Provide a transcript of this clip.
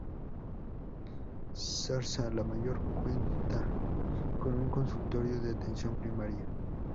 Zarza la Mayor cuenta con un consultorio de atención primaria.